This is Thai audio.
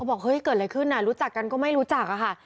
บอกเฮ้ยเกิดอะไรขึ้นรู้จักกันก็ไม่รู้จักอะค่ะ